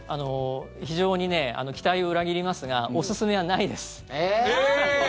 非常に期待を裏切りますがおすすめはないです。